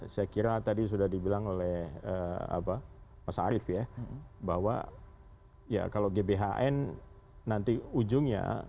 saya kira tadi sudah dibilang oleh mas arief ya bahwa ya kalau gbhn nanti ujungnya